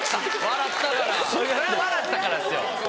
笑ったからですよ。